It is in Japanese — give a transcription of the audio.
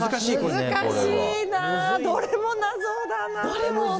難しいな、どれも謎だな。